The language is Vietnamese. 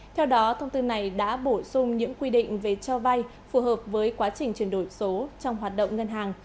theo đó thông tư này đã bổ sung những quy định về cho vay phù hợp với quá trình chuyển đổi số trong hoạt động ngân hàng